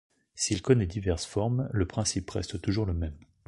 S'il connaît diverses formes, le principe reste toujours le même.